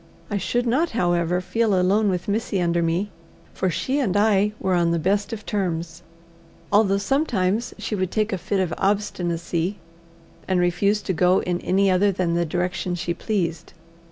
I should not, however, feel alone with Missy under me, for she and I were on the best of terms, although sometimes she would take a fit of obstinacy, and refuse to go in any other than the direction she pleased.